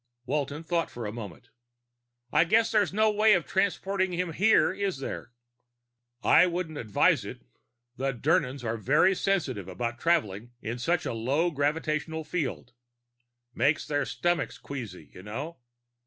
Walton thought for a moment. "I guess there's no way of transporting him here, is there?" "I wouldn't advise it. The Dirnans are very sensitive about traveling in such a low gravitational field. Makes their stomachs queasy, you know.